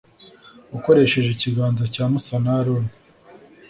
ukoresheje ikiganza cya Musa na Aroni